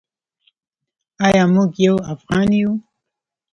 ایا موږ یو افغان یو؟